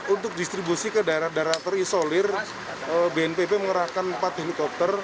untuk distribusi ke daerah daerah terisolir bnpb mengerahkan empat helikopter